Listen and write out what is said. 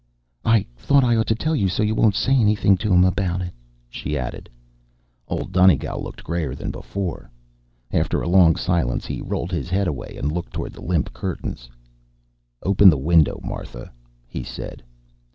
"I thought I ought to tell you, so you won't say anything to him about it," she added. Old Donegal looked grayer than before. After a long silence, he rolled his head away and looked toward the limp curtains. "Open the window, Martha," he said.